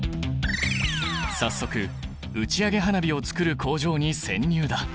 早速打ち上げ花火をつくる工場に潜入だ！